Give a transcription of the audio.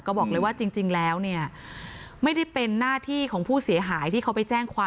ก็บอกเลยว่าจริงแล้วเนี่ยไม่ได้เป็นหน้าที่ของผู้เสียหายที่เขาไปแจ้งความ